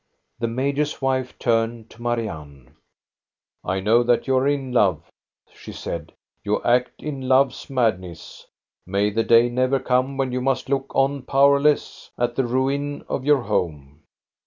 The major's wife turned to Marianne. " I know that you are in love," she said. " You act in love's madness. May the day never come when you must look on powerless at the ruin of your home